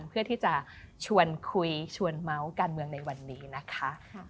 เพื่อที่จะชวนคุยชวนเมาส์การเมืองในวันนี้นะคะ